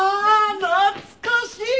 懐かしい！